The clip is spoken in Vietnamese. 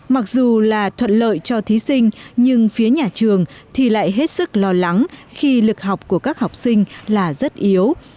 mặc dù là thuận lợi cho thí sinh nhưng phía nhà trường thì lại hết sức lo lắng khi lực học của các học sinh là rất yếu